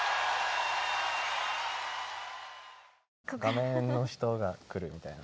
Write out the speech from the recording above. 画面の人が来るみたいな。